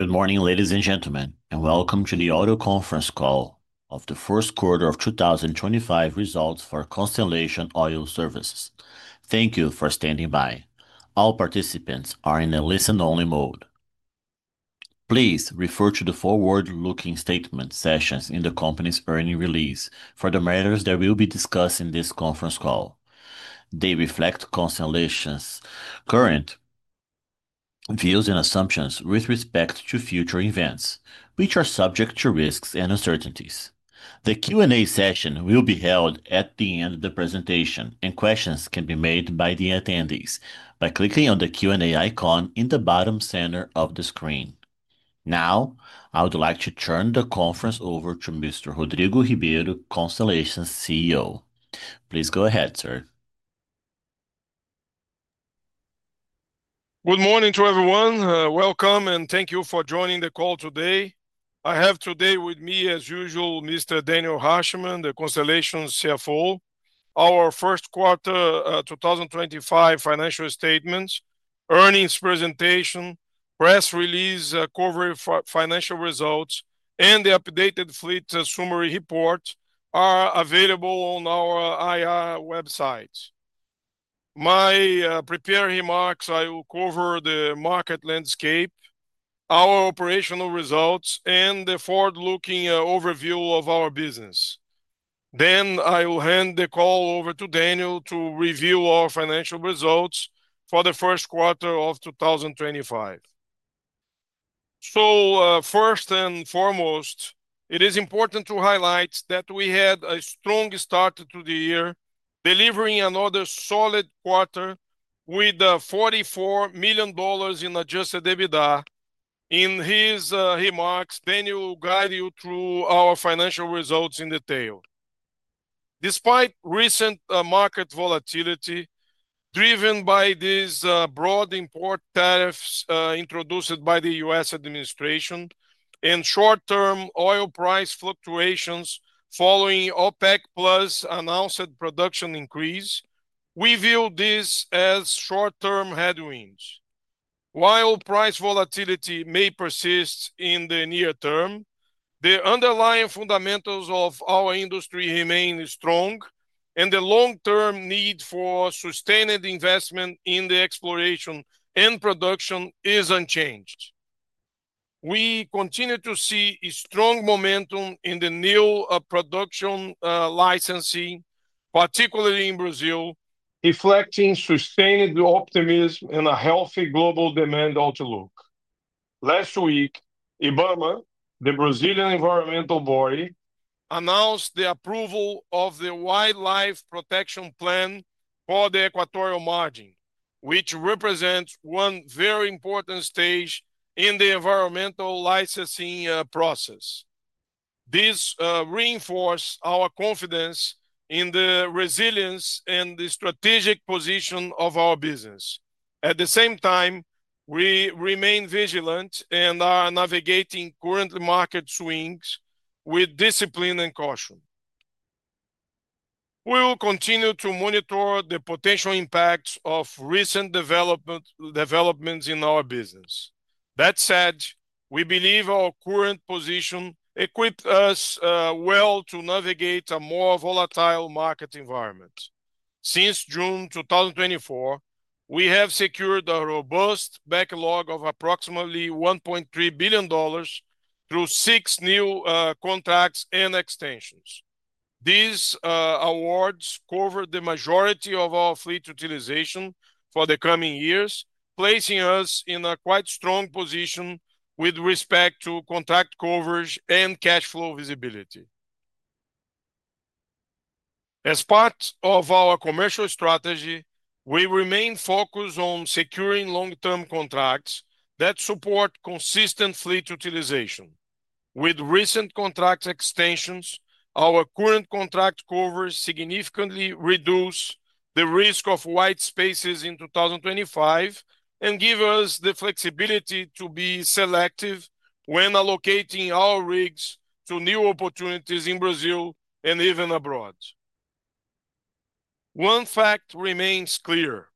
Good morning, ladies and gentlemen, and welcome to the Audio Conference Call of the First Quarter of 2025 Results for Constellation Oil Services. Thank you for standing by. All participants are in a listen-only mode. Please refer to the forward-looking statement sections in the company's earnings release for the matters that will be discussed in this conference call. They reflect Constellation's current views and assumptions with respect to future events, which are subject to risks and uncertainties. The Q&A session will be held at the end of the presentation, and questions can be made by the attendees by clicking on the Q&A icon in the bottom center of the screen. Now, I would like to turn the conference over to Mr. Rodrigo Ribeiro, Constellation's CEO. Please go ahead, sir. Good morning to everyone. Welcome, and thank you for joining the call today. I have today with me, as usual, Mr. Daniel Rachman, the Constellation CFO. Our first quarter 2025 financial statements, earnings presentation, press release, covered financial results, and the updated fleet summary report are available on our IRA website. In my prepared remarks, I will cover the market landscape, our operational results, and the forward-looking overview of our business. I will hand the call over to Daniel to review our financial results for the first quarter of 2025. First and foremost, it is important to highlight that we had a strong start to the year, delivering another solid quarter with $44 million in adjusted EBITDA. In his remarks, Daniel will guide you through our financial results in detail. Despite recent market volatility driven by these broad import tariffs introduced by the U.S. administration and short-term oil price fluctuations following OPEC Plus' announced production increase, we view this as short-term headwinds. While price volatility may persist in the near term, the underlying fundamentals of our industry remain strong, and the long-term need for sustained investment in the exploration and production is unchanged. We continue to see strong momentum in the new production licensing, particularly in Brazil, reflecting sustained optimism and a healthy global demand outlook. Last week, IBAMA, the Brazilian Environmental Board, announced the approval of the wildlife protection plan for the Equatorial Margin, which represents one very important stage in the environmental licensing process. This reinforces our confidence in the resilience and the strategic position of our business. At the same time, we remain vigilant and are navigating current market swings with discipline and caution. We will continue to monitor the potential impacts of recent developments in our business. That said, we believe our current position equips us well to navigate a more volatile market environment. Since June 2024, we have secured a robust backlog of approximately $1.3 billion through six new contracts and extensions. These awards cover the majority of our fleet utilization for the coming years, placing us in a quite strong position with respect to contract coverage and cash flow visibility. As part of our commercial strategy, we remain focused on securing long-term contracts that support consistent fleet utilization. With recent contract extensions, our current contract coverage significantly reduces the risk of white spaces in 2025 and gives us the flexibility to be selective when allocating our rigs to new opportunities in Brazil and even abroad. One fact remains clear: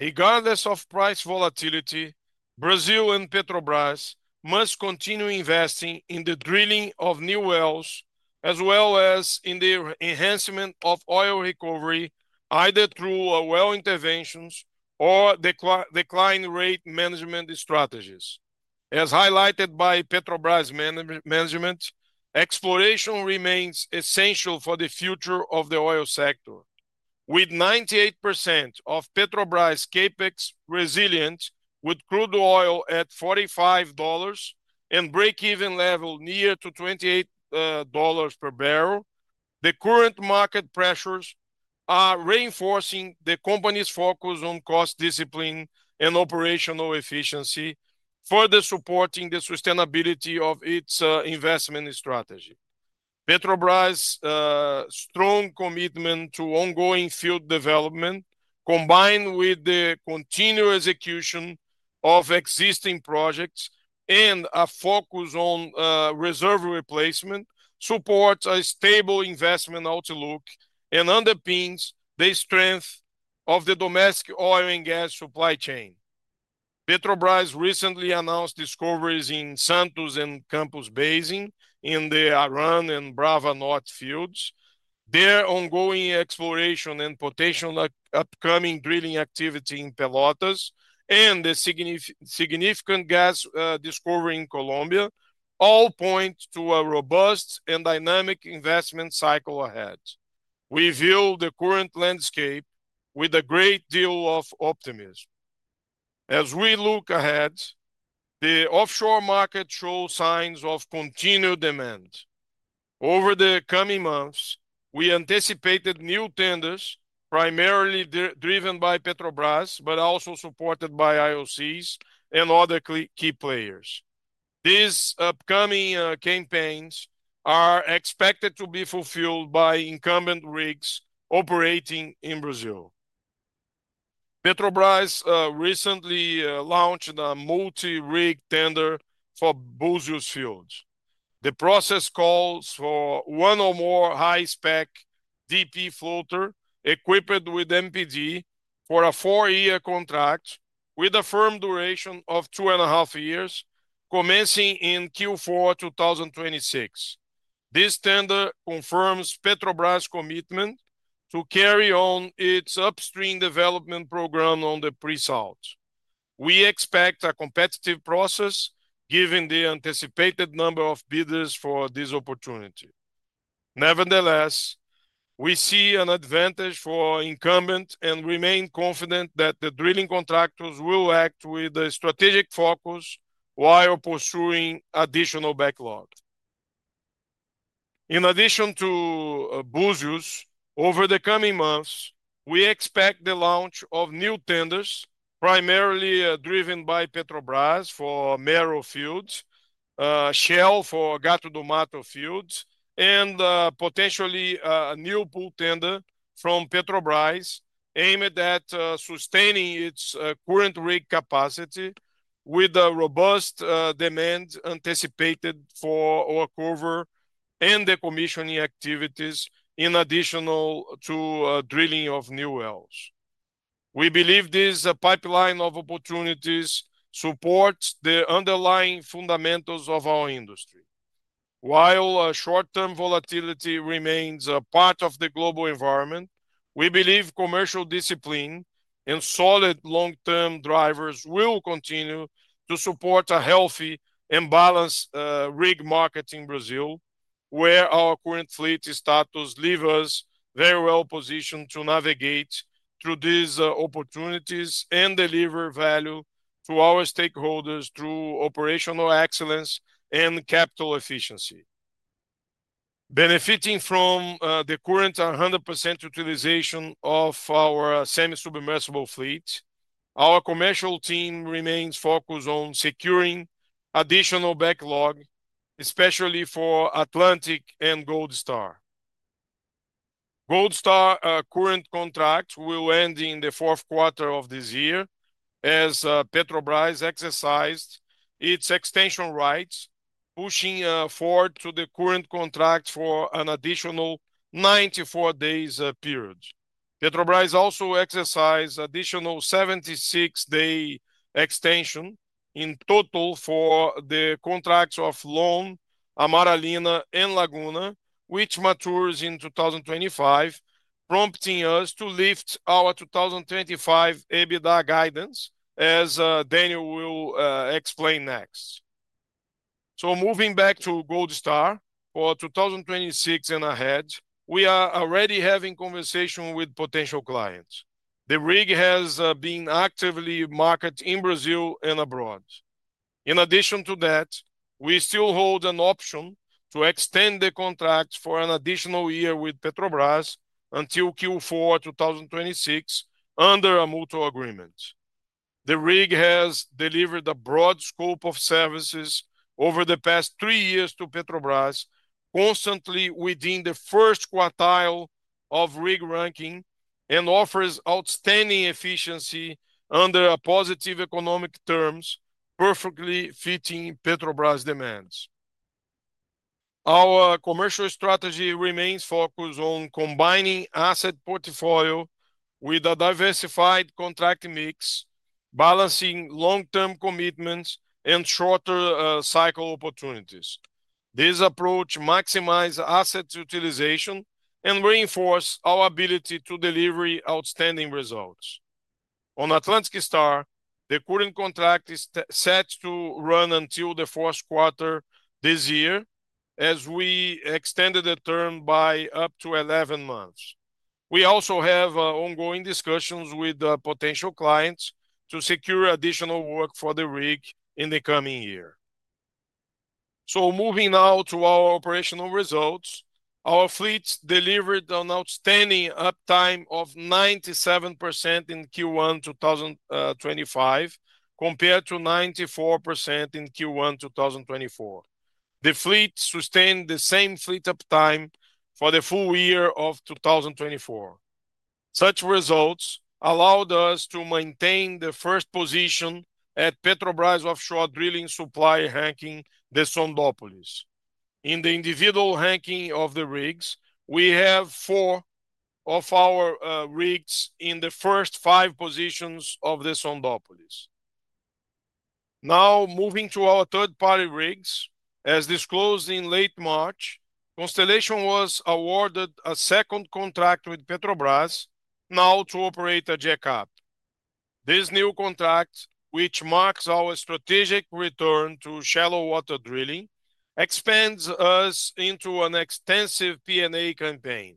regardless of price volatility, Brazil and Petrobras must continue investing in the drilling of new wells, as well as in the enhancement of oil recovery, either through well interventions or decline rate management strategies. As highlighted by Petrobras management, exploration remains essential for the future of the oil sector. With 98% of Petrobras CapEx resilient, with crude oil at $45 and break-even level near to $28 per barrel, the current market pressures are reinforcing the company's focus on cost discipline and operational efficiency, further supporting the sustainability of its investment strategy. Petrobras' strong commitment to ongoing field development, combined with the continued execution of existing projects and a focus on reserve replacement, supports a stable investment outlook and underpins the strength of the domestic oil and gas supply chain. Petrobras recently announced discoveries in Santos and Campos Basin in the Aran and Brava North fields. Their ongoing exploration and potential upcoming drilling activity in Pelotas and the significant gas discovery in Colombia all point to a robust and dynamic investment cycle ahead. We view the current landscape with a great deal of optimism. As we look ahead, the offshore market shows signs of continued demand. Over the coming months, we anticipate new tenders, primarily driven by Petrobras, but also supported by IOCs and other key players. These upcoming campaigns are expected to be fulfilled by incumbent rigs operating in Brazil. Petrobras recently launched a multi-rig tender for Búzios fields. The process calls for one or more high-spec DP floaters equipped with MPD for a four-year contract with a firm duration of two and a half years, commencing in Q4 2026. This tender confirms Petrobras' commitment to carry on its upstream development program on the pre-salt. We expect a competitive process, given the anticipated number of bidders for this opportunity. Nevertheless, we see an advantage for incumbents and remain confident that the drilling contractors will act with a strategic focus while pursuing additional backlog. In addition to Búzios, over the coming months, we expect the launch of new tenders, primarily driven by Petrobras for Mero fields, Shell for Gato do Mato fields, and potentially a new pool tender from Petrobras aimed at sustaining its current rig capacity with a robust demand anticipated for cover and decommissioning activities in addition to drilling of new wells. We believe this pipeline of opportunities supports the underlying fundamentals of our industry. While short-term volatility remains a part of the global environment, we believe commercial discipline and solid long-term drivers will continue to support a healthy and balanced rig market in Brazil, where our current fleet status leaves us very well positioned to navigate through these opportunities and deliver value to our stakeholders through operational excellence and capital efficiency. Benefiting from the current 100% utilization of our semi-submersible fleet, our commercial team remains focused on securing additional backlog, especially for Atlantic and Gold Star. Gold Star's current contract will end in the fourth quarter of this year as Petrobras exercised its extension rights, pushing forward the current contract for an additional 94-day period. Petrobras also exercised an additional 76-day extension in total for the contracts of Lone, Amaralina, and Laguna, which matures in 2025, prompting us to lift our 2025 EBITDA guidance, as Daniel will explain next. Moving back to Gold Star for 2026 and ahead, we are already having conversations with potential clients. The rig has been actively marketed in Brazil and abroad. In addition to that, we still hold an option to extend the contract for an additional year with Petrobras until Q4 2026 under a mutual agreement. The rig has delivered a broad scope of services over the past three years to Petrobras, constantly within the first quartile of rig ranking, and offers outstanding efficiency under positive economic terms, perfectly fitting Petrobras' demands. Our commercial strategy remains focused on combining asset portfolio with a diversified contract mix, balancing long-term commitments and shorter cycle opportunities. This approach maximizes asset utilization and reinforces our ability to deliver outstanding results. On Atlantic Star, the current contract is set to run until the fourth quarter this year, as we extended the term by up to 11 months. We also have ongoing discussions with potential clients to secure additional work for the rig in the coming year. Moving now to our operational results, our fleet delivered an outstanding uptime of 97% in Q1 2025, compared to 94% in Q1 2024. The fleet sustained the same fleet uptime for the full year of 2024. Such results allowed us to maintain the first position at Petrobras' offshore drilling supply ranking, the Sondagem. In the individual ranking of the rigs, we have four of our rigs in the first five positions of the Sondagem. Now moving to our third-party rigs, as disclosed in late March, Constellation was awarded a second contract with Petrobras, now to operate a jack-up. This new contract, which marks our strategic return to shallow water drilling, expands us into an extensive P&A campaign.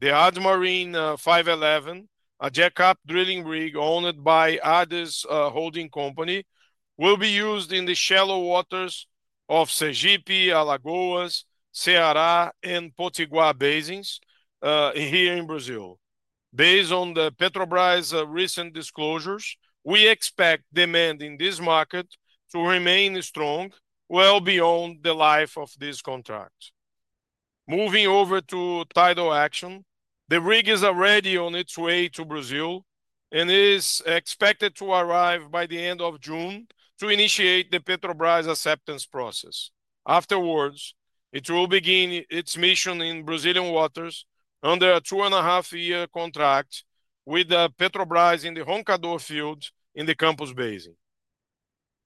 The ADMARINE 511, a jack-up drilling rig owned by ADES Holding Company, will be used in the shallow waters of Sergipe, Alagoas, Ceará, and Potiguar basins here in Brazil. Based on Petrobras' recent disclosures, we expect demand in this market to remain strong well beyond the life of this contract. Moving over to tidal action, the rig is already on its way to Brazil and is expected to arrive by the end of June to initiate the Petrobras acceptance process. Afterwards, it will begin its mission in Brazilian waters under a two and a half year contract with Petrobras in the Roncador field in the Campos Basin.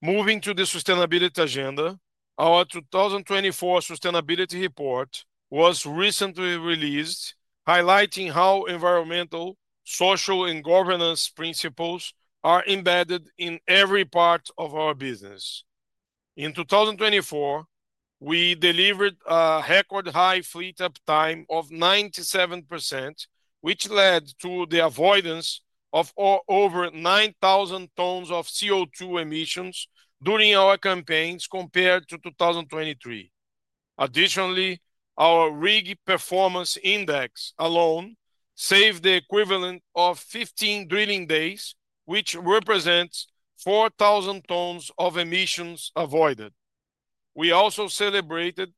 Moving to the sustainability agenda, our 2024 sustainability report was recently released, highlighting how environmental, social, and governance principles are embedded in every part of our business. In 2024, we delivered a record high fleet uptime of 97%, which led to the avoidance of over 9,000 tons of CO2 emissions during our campaigns compared to 2023. Additionally, our rig performance index alone saved the equivalent of 15 drilling days, which represents 4,000 tons of emissions avoided. We also celebrated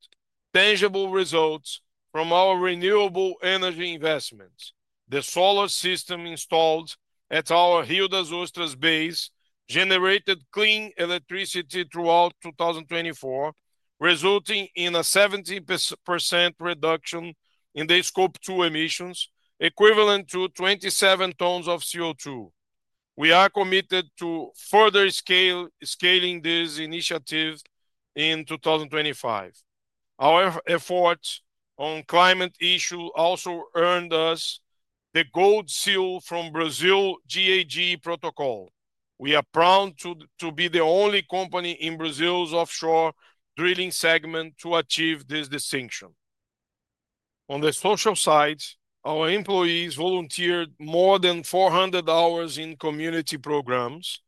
tangible results from our renewable energy investments. The solar system installed at our Rio das Ostras base generated clean electricity throughout 2024, resulting in a 70% reduction in the scope two emissions, equivalent to 27 tons of CO2. We are committed to further scaling this initiative in 2025. Our efforts on climate issues also earned us the gold seal from Brazil [GHG] protocol. We are proud to be the only company in Brazil's offshore drilling segment to achieve this distinction. On the social side, our employees volunteered more than 400 hours in community programs.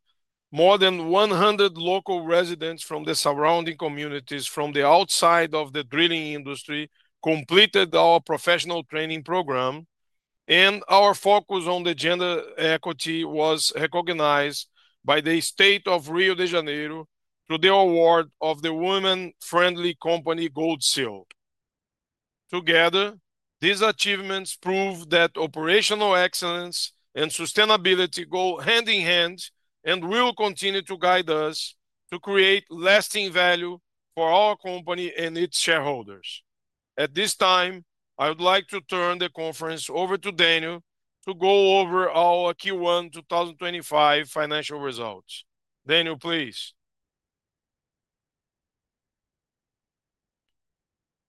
More than 100 local residents from the surrounding communities from the outside of the drilling industry completed our professional training program, and our focus on the gender equity was recognized by the state of Rio de Janeiro through the award of the Women Friendly Company gold seal. Together, these achievements prove that operational excellence and sustainability go hand in hand and will continue to guide us to create lasting value for our company and its shareholders. At this time, I would like to turn the conference over to Daniel to go over our Q1 2025 financial results. Daniel, please.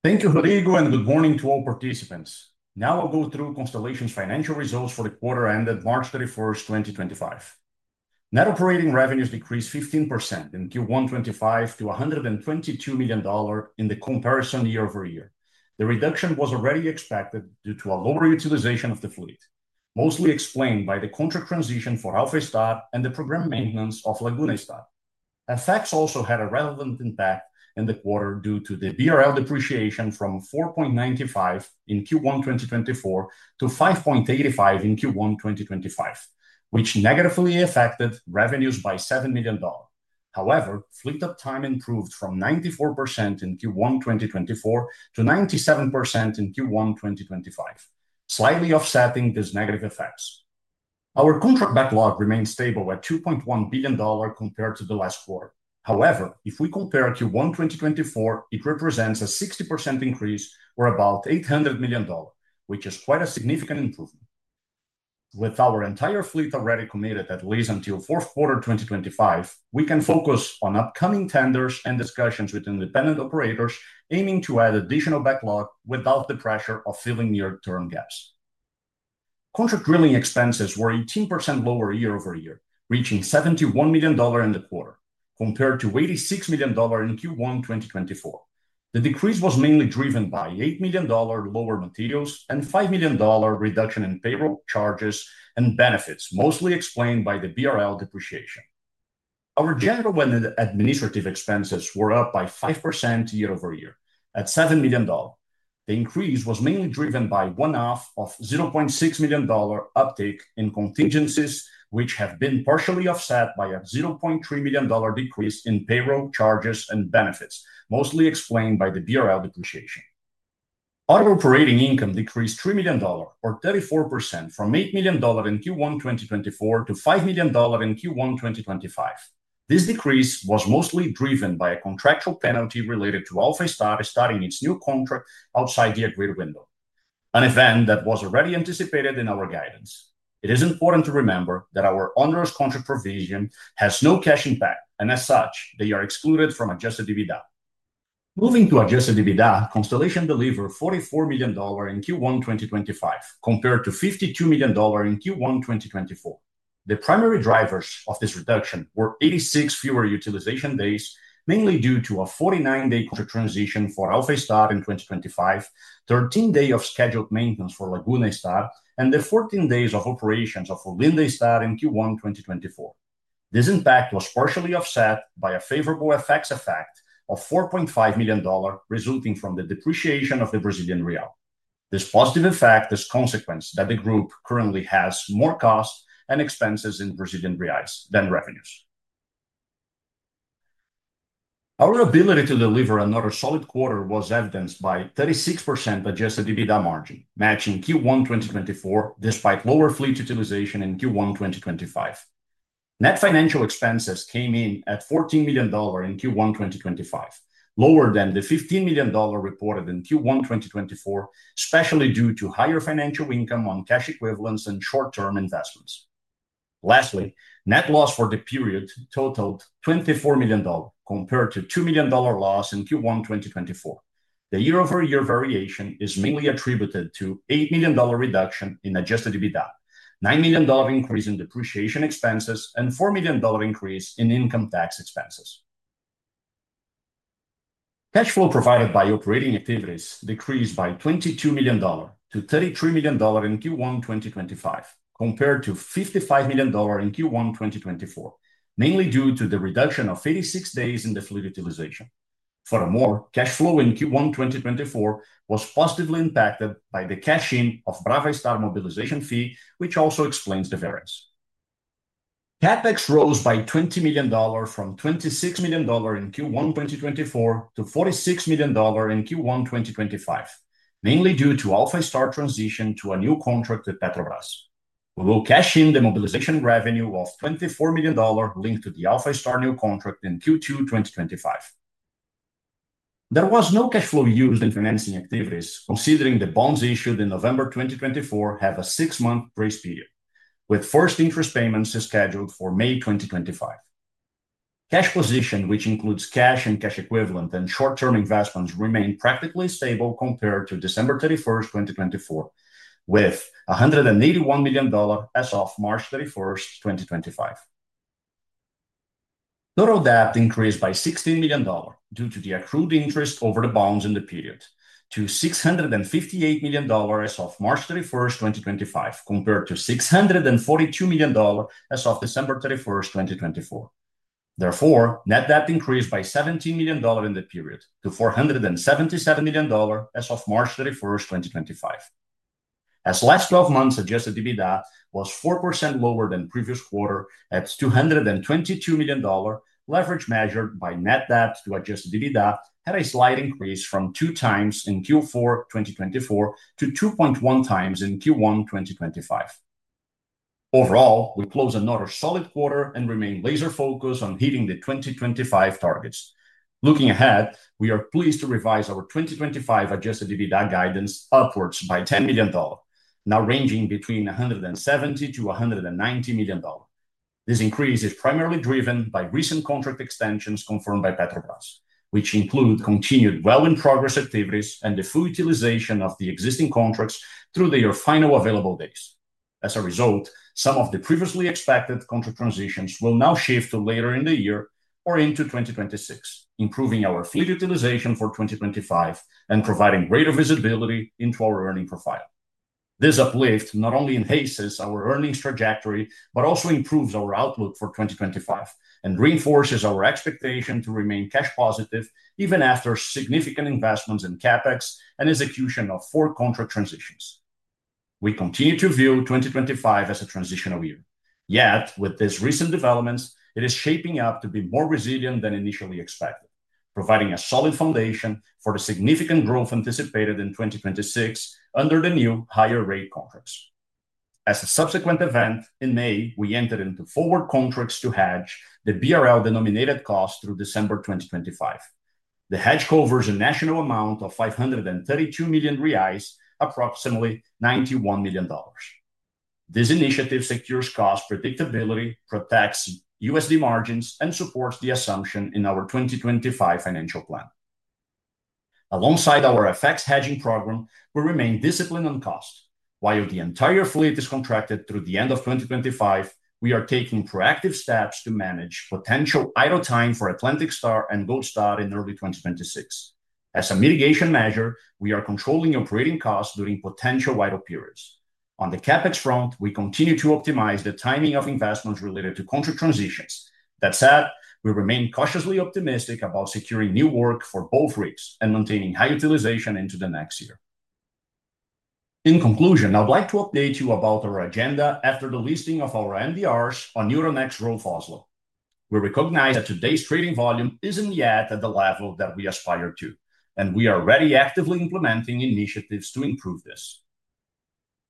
Thank you, Rodrigo, and good morning to all participants. Now I'll go through Constellation's financial results for the quarter ended March 31st, 2025. Net operating revenues decreased 15% in Q1 2025 to $122 million in the comparison year-over-year. The reduction was already expected due to a lower utilization of the fleet, mostly explained by the contract transition for Alfa Star and the program maintenance of Laguna Star. Effects also had a relevant impact in the quarter due to the BRL depreciation from 4.95 in Q1 2024 to 5.85 in Q1 2025, which negatively affected revenues by $7 million. However, fleet uptime improved from 94% in Q1 2024 to 97% in Q1 2025, slightly offsetting these negative effects. Our contract backlog remained stable at $2.1 billion compared to the last quarter. However, if we compare Q1 2024, it represents a 60% increase or about $800 million, which is quite a significant improvement. With our entire fleet already committed at least until fourth quarter 2025, we can focus on upcoming tenders and discussions with independent operators aiming to add additional backlog without the pressure of filling near-term gaps. Contract drilling expenses were 18% lower year-over-year, reaching $71 million in the quarter, compared to $86 million in Q1 2024. The decrease was mainly driven by $8 million lower materials and $5 million reduction in payroll charges and benefits, mostly explained by the BRL depreciation. Our general and administrative expenses were up by 5% year-over-year at $7 million. The increase was mainly driven by one-off of $0.6 million uptake in contingencies, which have been partially offset by a $0.3 million decrease in payroll charges and benefits, mostly explained by the BRL depreciation. Our operating income decreased $3 million, or 34%, from $8 million in Q1 2024 to $5 million in Q1 2025. This decrease was mostly driven by a contractual penalty related to Alfa Star starting its new contract outside the agreed window, an event that was already anticipated in our guidance. It is important to remember that our onerous contract provision has no cash impact, and as such, they are excluded from adjusted EBITDA. Moving to adjusted EBITDA, Constellation delivered $44 million in Q1 2025, compared to $52 million in Q1 2024. The primary drivers of this reduction were 86 fewer utilization days, mainly due to a 49-day contract transition for Alfa Star in 2025, 13 days of scheduled maintenance for Laguna Star, and the 14 days of operations for Linde Star in Q1 2024. This impact was partially offset by a favorable effect of $4.5 million resulting from the depreciation of the Brazilian Real. This positive effect is a consequence that the group currently has more costs and expenses in Brazilian Reals than revenues. Our ability to deliver another solid quarter was evidenced by a 36% adjusted EBITDA margin matching Q1 2024, despite lower fleet utilization in Q1 2025. Net financial expenses came in at $14 million in Q1 2025, lower than the $15 million reported in Q1 2024, especially due to higher financial income on cash equivalents and short-term investments. Lastly, net loss for the period totaled $24 million, compared to $2 million loss in Q1 2024. The year-over-year variation is mainly attributed to an $8 million reduction in adjusted EBITDA, a $9 million increase in depreciation expenses, and a $4 million increase in income tax expenses. Cash flow provided by operating activities decreased by $22 million-$33 million in Q1 2025, compared to $55 million in Q1 2024, mainly due to the reduction of 86 days in the fleet utilization. Furthermore, cash flow in Q1 2024 was positively impacted by the cash in of [Brava] Star mobilization fee, which also explains the variance. CapEx rose by $20 million from $26 million in Q1 2024 to $46 million in Q1 2025, mainly due to Alfa Star transition to a new contract with Petrobras. We will cash in the mobilization revenue of $24 million linked to the Alfa Star new contract in Q2 2025. There was no cash flow used in financing activities, considering the bonds issued in November 2024 have a six-month grace period, with first interest payments scheduled for May 2025. Cash position, which includes cash and cash equivalent and short-term investments, remained practically stable compared to December 31st, 2024, with $181 million as of March 31st, 2025. Total debt increased by $16 million due to the accrued interest over the bonds in the period to $658 million as of March 31st, 2025, compared to $642 million as of December 31st, 2024. Therefore, net debt increased by $17 million in the period to $477 million as of March 31st, 2025. As last 12 months, adjusted EBITDA was 4% lower than previous quarter at $222 million. Leverage measured by net debt to adjusted EBITDA had a slight increase from two times in Q4 2024 to 2.1 times in Q1 2025. Overall, we close another solid quarter and remain laser-focused on hitting the 2025 targets. Looking ahead, we are pleased to revise our 2025 adjusted EBITDA guidance upwards by $10 million, now ranging between $170 million-$190 million. This increase is primarily driven by recent contract extensions confirmed by Petrobras, which include continued well-in-progress activities and the full utilization of the existing contracts through their final available days. As a result, some of the previously expected contract transitions will now shift to later in the year or into 2026, improving our fleet utilization for 2025 and providing greater visibility into our earning profile. This uplift not only enhances our earnings trajectory but also improves our outlook for 2025 and reinforces our expectation to remain cash positive even after significant investments in CapEx and execution of four contract transitions. We continue to view 2025 as a transitional year. Yet, with these recent developments, it is shaping up to be more resilient than initially expected, providing a solid foundation for the significant growth anticipated in 2026 under the new higher-rate contracts. As a subsequent event, in May, we entered into forward contracts to hedge the BRL denominated cost through December 2025. The hedge covers a notional amount of 532 million reais, approximately $91 million. This initiative secures cost predictability, protects USD margins, and supports the assumption in our 2025 financial plan. Alongside our FX hedging program, we remain disciplined on cost. While the entire fleet is contracted through the end of 2025, we are taking proactive steps to manage potential idle time for Atlantic Star and Gold Star in early 2026. As a mitigation measure, we are controlling operating costs during potential idle periods. On the CapEx front, we continue to optimize the timing of investments related to contract transitions. That said, we remain cautiously optimistic about securing new work for both rigs and maintaining high utilization into the next year. In conclusion, I'd like to update you about our agenda after the listing of our MDRs on Euronext Growth Oslo. We recognize that today's trading volume isn't yet at the level that we aspire to, and we are already actively implementing initiatives to improve this.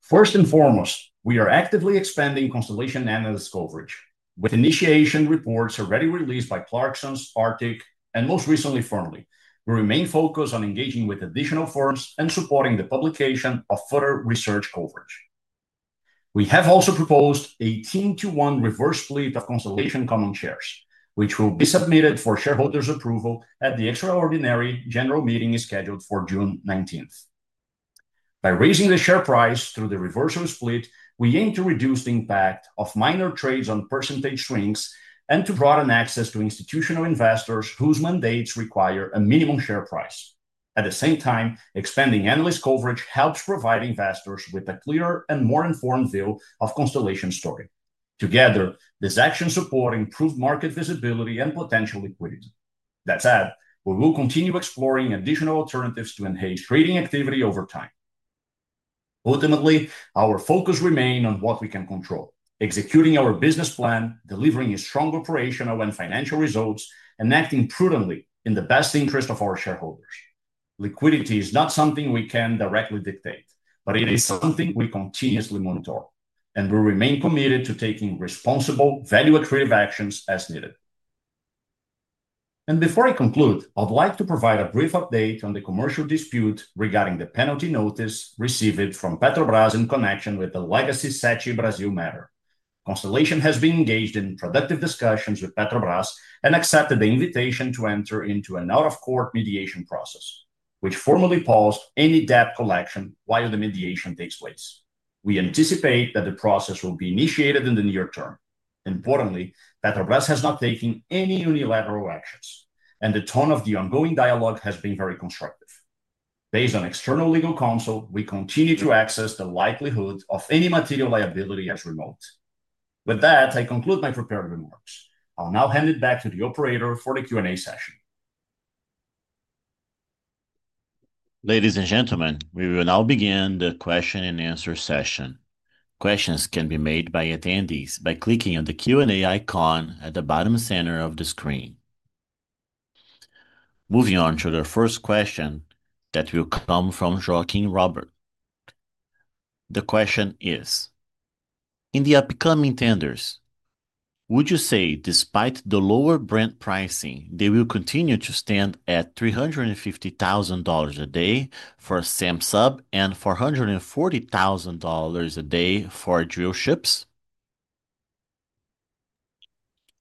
First and foremost, we are actively expanding Constellation Analysts coverage. With initiation reports already released by Clarkson, Arctic, and most recently [Fearnley], we remain focused on engaging with additional firms and supporting the publication of further research coverage. We have also proposed a 10-to-1 reverse split of Constellation common shares, which will be submitted for shareholders' approval at the extraordinary general meeting scheduled for June 19th. By raising the share price through the reverse split, we aim to reduce the impact of minor trades on percentage swings and to broaden access to institutional investors whose mandates require a minimum share price. At the same time, expanding analyst coverage helps provide investors with a clearer and more informed view of Constellation's story. Together, this action supports improved market visibility and potential liquidity. That said, we will continue exploring additional alternatives to enhance trading activity over time. Ultimately, our focus remains on what we can control, executing our business plan, delivering strong operational and financial results, and acting prudently in the best interest of our shareholders. Liquidity is not something we can directly dictate, but it is something we continuously monitor, and we remain committed to taking responsible value-accretive actions as needed. Before I conclude, I'd like to provide a brief update on the commercial dispute regarding the penalty notice received from Petrobras in connection with the Legacy [SACI] Brazil matter. Constellation has been engaged in productive discussions with Petrobras and accepted the invitation to enter into an out-of-court mediation process, which formally paused any debt collection while the mediation takes place. We anticipate that the process will be initiated in the near term. Importantly, Petrobras has not taken any unilateral actions, and the tone of the ongoing dialogue has been very constructive. Based on external legal counsel, we continue to assess the likelihood of any material liability as remote. With that, I conclude my prepared remarks. I'll now hand it back to the operator for the Q&A session. Ladies and gentlemen, we will now begin the question-and-answer session. Questions can be made by attendees by clicking on the Q&A icon at the bottom center of the screen. Moving on to the first question that will come from Joaquin Robert. The question is, in the upcoming tenders, would you say despite the lower Brent pricing, they will continue to stand at $350,000 a day for [Samsung] and $440,000 a day for drill ships?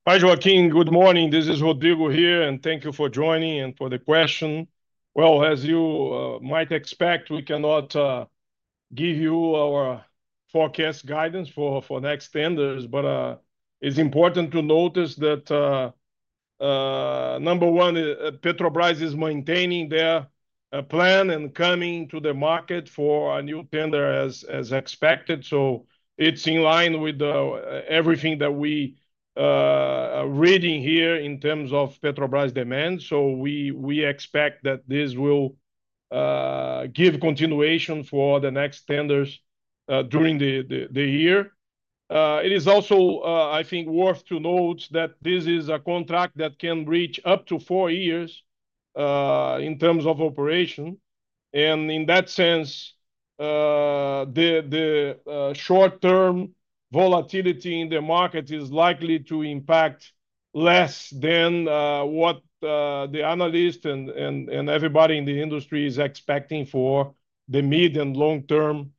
Hi, Joaquin. Good morning. This is Rodrigo here, and thank you for joining and for the question. As you might expect, we cannot give you our forecast guidance for next tenders, but it's important to notice that, number one, Petrobras is maintaining their plan and coming to the market for a new tender as expected. It is in line with everything that we are reading here in terms of Petrobras demand. We expect that this will give continuation for the next tenders during the year. It is also, I think, worth to note that this is a contract that can reach up to four years in terms of operation. In that sense, the short-term volatility in the market is likely to impact less than what the analysts and everybody in the industry is expecting for the mid and long-term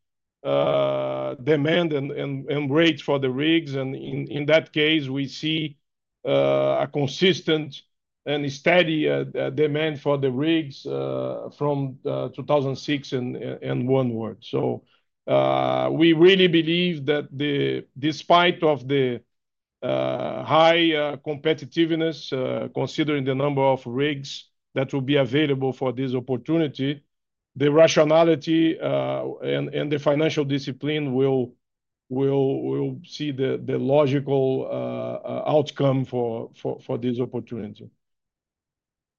demand and rates for the rigs. In that case, we see a consistent and steady demand for the rigs from 2006 and onward. We really believe that despite the high competitiveness, considering the number of rigs that will be available for this opportunity, the rationality and the financial discipline will see the logical outcome for this opportunity.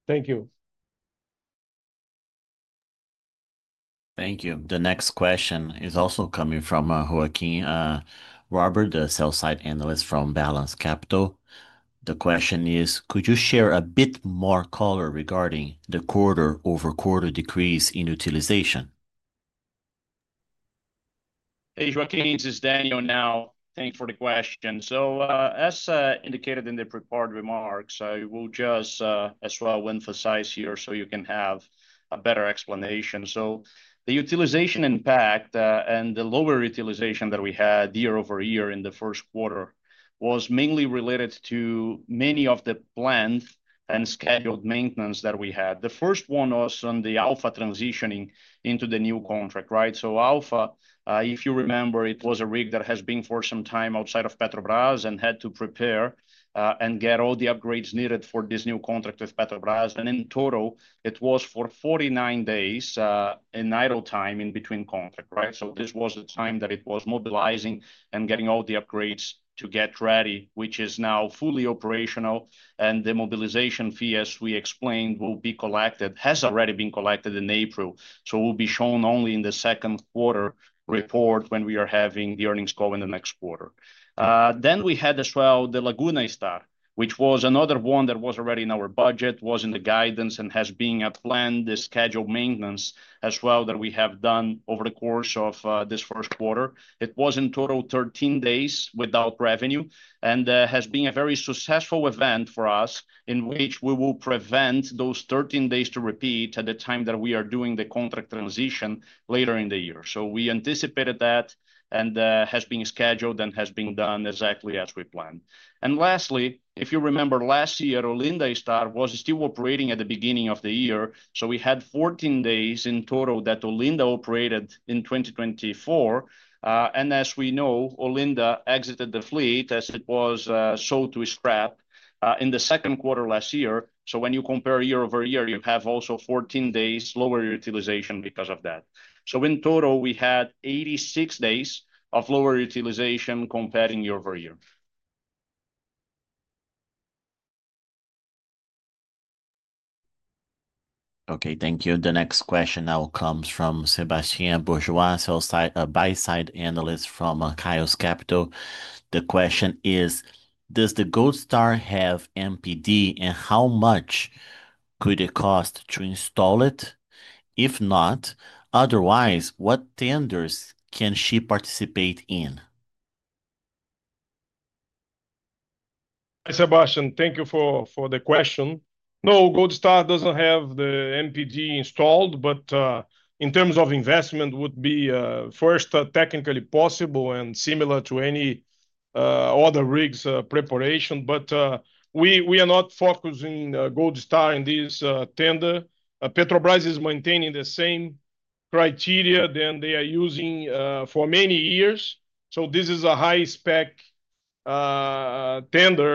Thank you. Thank you. The next question is also coming from Joaquin Robert, the sell-side analyst from Balance Capital. The question is, could you share a bit more color regarding the quarter-over-quarter decrease in utilization? Hey, Joaquin, this is Daniel now. Thanks for the question. As indicated in the prepared remarks, I will just as well emphasize here so you can have a better explanation. The utilization impact and the lower utilization that we had year-over-year in the first quarter was mainly related to many of the planned and scheduled maintenance that we had. The first one was on the Alfa transitioning into the new contract, right? So Alfa, if you remember, it was a rig that has been for some time outside of Petrobras and had to prepare and get all the upgrades needed for this new contract with Petrobras. In total, it was for 49 days in idle time in between contracts, right? This was the time that it was mobilizing and getting all the upgrades to get ready, which is now fully operational. The mobilization fee, as we explained, will be collected, has already been collected in April. It will be shown only in the second quarter report when we are having the earnings go in the next quarter. We had as well the Laguna Star, which was another one that was already in our budget, was in the guidance, and has been a planned scheduled maintenance as well that we have done over the course of this first quarter. It was in total 13 days without revenue and has been a very successful event for us in which we will prevent those 13 days to repeat at the time that we are doing the contract transition later in the year. We anticipated that and has been scheduled and has been done exactly as we planned. Lastly, if you remember last year, Olinda Star was still operating at the beginning of the year. We had 14 days in total that Olinda operated in 2024. As we know, Olinda exited the fleet as it was sold to scrap in the second quarter last year. When you compare year-over-year, you have also 14 days lower utilization because of that. In total, we had 86 days of lower utilization compared year-over-year. Okay, thank you. The next question now comes from Sebastien Bourgeois, buy-side analyst from Caius Capital. The question is, does the Gold Star have MPD, and how much could it cost to install it? If not, otherwise, what tenders can she participate in? Hi, Sebastien. Thank you for the question. No, Gold Star does not have the MPD installed, but in terms of investment, it would be first technically possible and similar to any other rig's preparation. We are not focusing Gold Star in this tender. Petrobras is maintaining the same criteria that they are using for many years. This is a high-spec tender.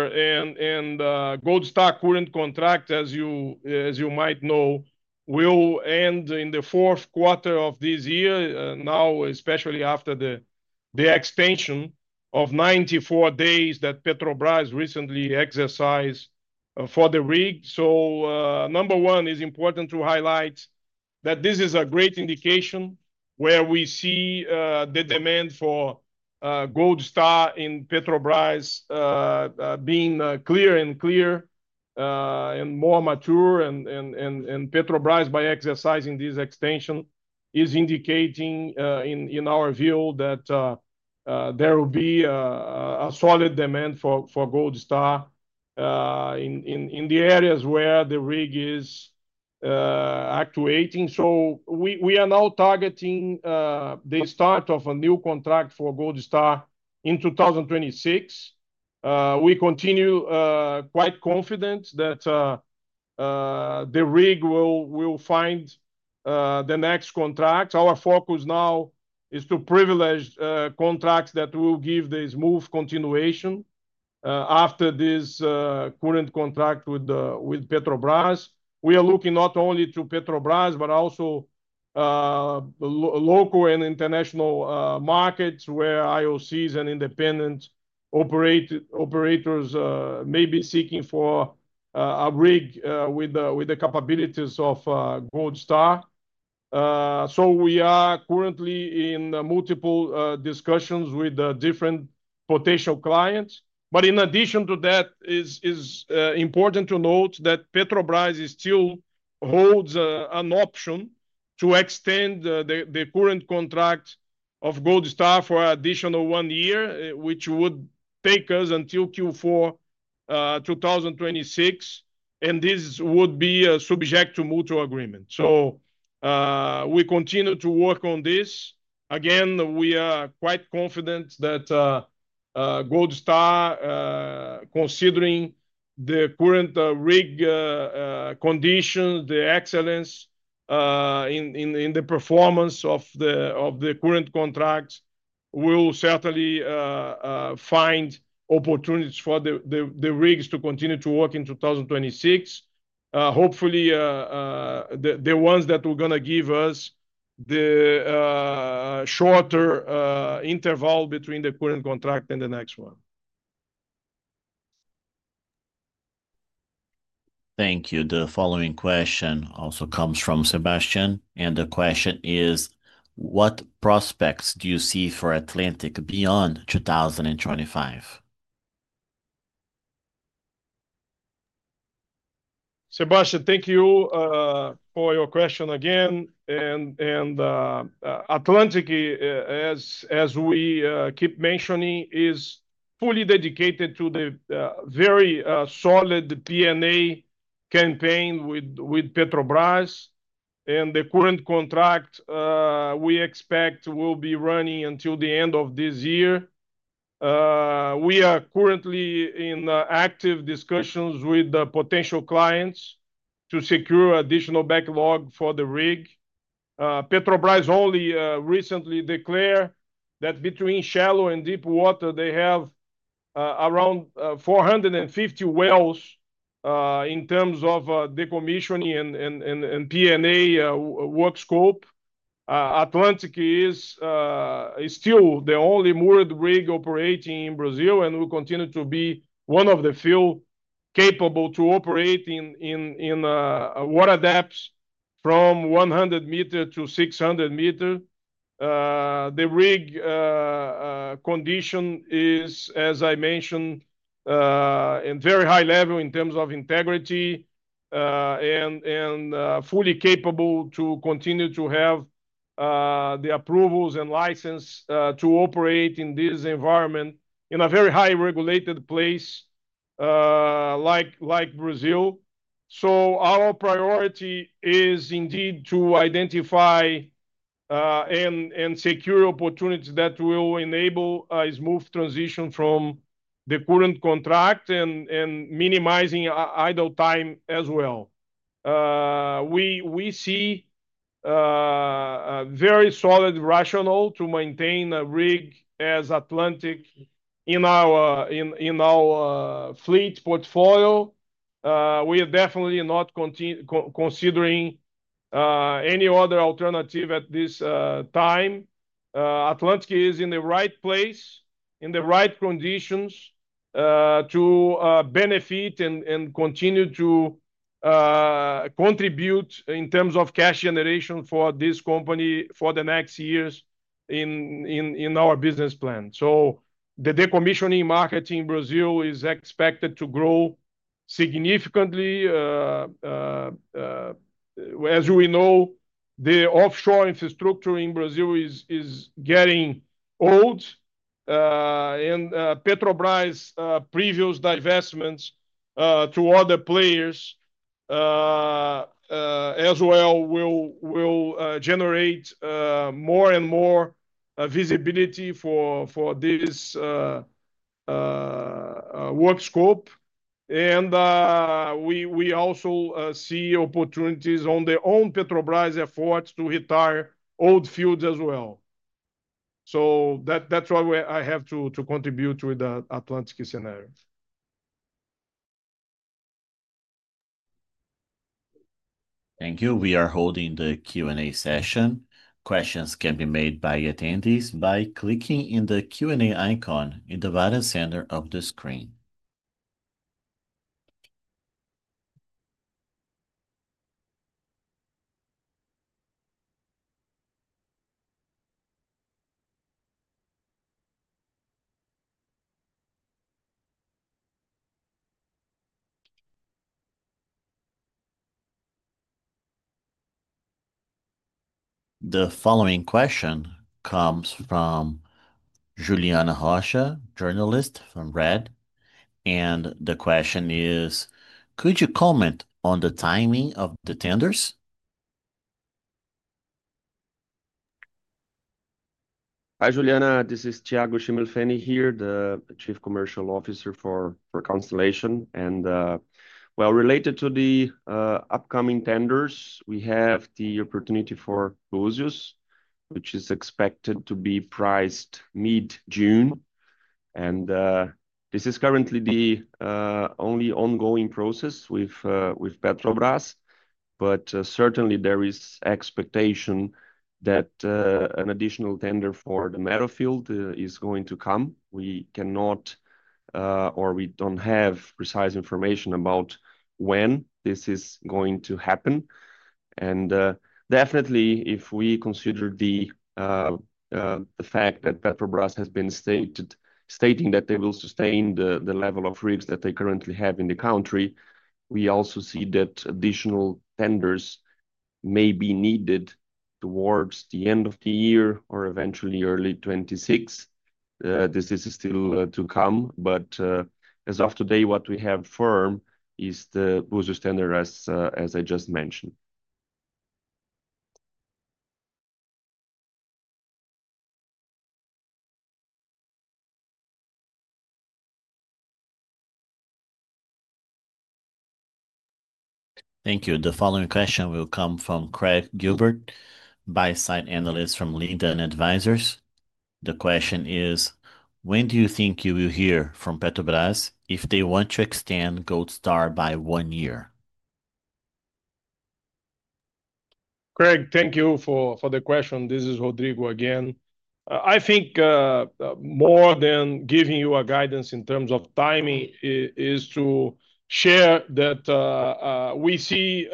Gold Star current contract, as you might know, will end in the fourth quarter of this year, now especially after the expansion of 94 days that Petrobras recently exercised for the rig. Number one, it's important to highlight that this is a great indication where we see the demand for Gold Star in Petrobras being clear and clear and more mature. Petrobras, by exercising this extension, is indicating in our view that there will be a solid demand for Gold Star in the areas where the rig is actuating. We are now targeting the start of a new contract for Gold Star in 2026. We continue quite confident that the rig will find the next contract. Our focus now is to privilege contracts that will give the smooth continuation after this current contract with Petrobras. We are looking not only to Petrobras, but also local and international markets where IOCs and independent operators may be seeking for a rig with the capabilities of Gold Star. We are currently in multiple discussions with different potential clients. In addition to that, it's important to note that Petrobras still holds an option to extend the current contract of Gold Star for an additional one year, which would take us until Q4 2026. This would be subject to mutual agreement. We continue to work on this. Again, we are quite confident that Gold Star, considering the current rig conditions, the excellence in the performance of the current contract, will certainly find opportunities for the rigs to continue to work in 2026. Hopefully, the ones that are going to give us the shorter interval between the current contract and the next one. Thank you. The following question also comes from Sebastian. The question is, what prospects do you see for Atlantic beyond 2025? Sebastian, thank you for your question again. Atlantic, as we keep mentioning, is fully dedicated to the very solid P&A campaign with Petrobras. The current contract we expect will be running until the end of this year. We are currently in active discussions with potential clients to secure additional backlog for the rig. Petrobras only recently declared that between shallow and deep water, they have around 450 wells in terms of decommissioning and P&A work scope. Atlantic is still the only moored rig operating in Brazil and will continue to be one of the few capable to operate in water depths from 100 meters- 600 meters. The rig condition is, as I mentioned, in very high level in terms of integrity and fully capable to continue to have the approvals and license to operate in this environment in a very highly regulated place like Brazil. Our priority is indeed to identify and secure opportunities that will enable a smooth transition from the current contract and minimizing idle time as well. We see a very solid rationale to maintain a rig as Atlantic in our fleet portfolio. We are definitely not considering any other alternative at this time. Atlantic is in the right place, in the right conditions to benefit and continue to contribute in terms of cash generation for this company for the next years in our business plan. The decommissioning market in Brazil is expected to grow significantly. As we know, the offshore infrastructure in Brazil is getting old. Petrobras' previous divestments to other players as well will generate more and more visibility for this work scope. We also see opportunities on their own Petrobras efforts to retire old fields as well. That is why I have to contribute with the Atlantic scenario. Thank you. We are holding the Q&A session. Questions can be made by attendees by clicking the Q&A icon in the bottom center of the screen. The following question comes from Juliana Rocha, journalist from REDD. The question is, could you comment on the timing of the tenders? Hi, Juliana. This is Thiago Schimmelpfennig here, the Chief Commercial Officer for Constellation. Related to the upcoming tenders, we have the opportunity for Búzios, which is expected to be priced mid-June. This is currently the only ongoing process with Petrobras. Certainly, there is expectation that an additional tender for the Meadowfield is going to come. We cannot or we do not have precise information about when this is going to happen. Definitely, if we consider the fact that Petrobras has been stating that they will sustain the level of rigs that they currently have in the country, we also see that additional tenders may be needed towards the end of the year or eventually early 2026. This is still to come. As of today, what we have firm is the Búzios tender, as I just mentioned. Thank you. The following question will come from Craig Gilbert, buy-side analyst from Linden Advisors. The question is, when do you think you will hear from Petrobras if they want to extend Gold Star by one year? Craig, thank you for the question. This is Rodrigo again. I think more than giving you a guidance in terms of timing is to share that we see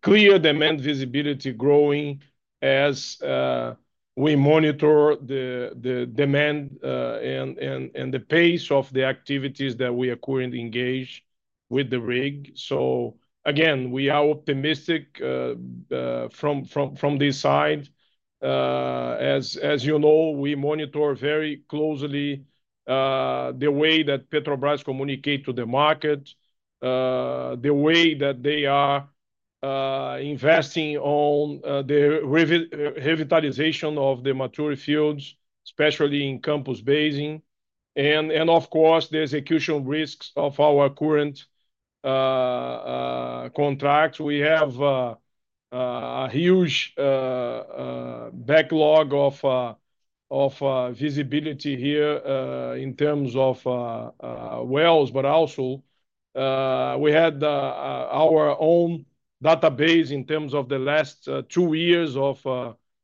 clear demand visibility growing as we monitor the demand and the pace of the activities that we are currently engaged with the rig. Again, we are optimistic from this side. As you know, we monitor very closely the way that Petrobras communicates to the market, the way that they are investing on the revitalization of the mature fields, especially in Campos Basin. Of course, the execution risks of our current contracts. We have a huge backlog of visibility here in terms of wells, but also we had our own database in terms of the last two years of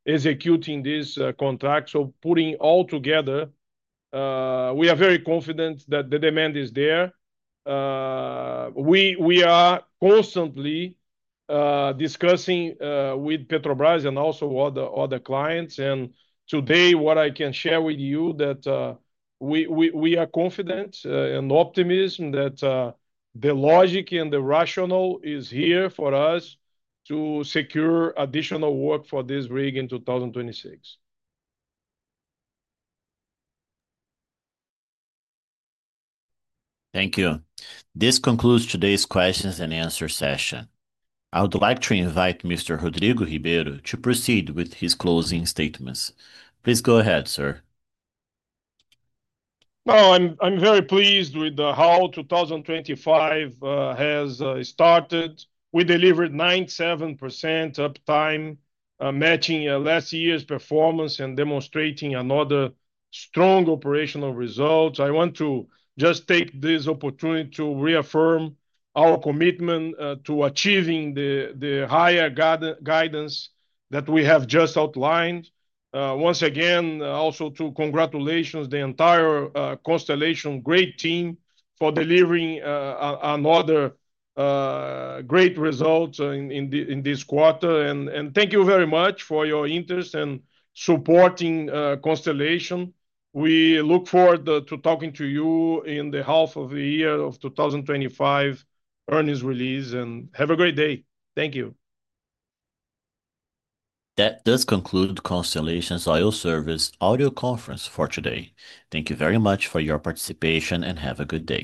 executing this contract. Putting all together, we are very confident that the demand is there. We are constantly discussing with Petrobras and also other clients. Today, what I can share with you is that we are confident and optimistic that the logic and the rationale is here for us to secure additional work for this rig in 2026. Thank you. This concludes today's questions and answers session. I would like to invite Mr. Rodrigo Ribeiro to proceed with his closing statements. Please go ahead, sir. I am very pleased with how 2025 has started. We delivered 97% uptime, matching last year's performance and demonstrating another strong operational result. I want to just take this opportunity to reaffirm our commitment to achieving the higher guidance that we have just outlined. Once again, also to congratulate the entire Constellation great team for delivering another great result in this quarter. Thank you very much for your interest and supporting Constellation. We look forward to talking to you in the half of the year of 2025 earnings release. Have a great day. Thank you. That does conclude Constellation Oil Service audio conference for today. Thank you very much for your participation and have a good day.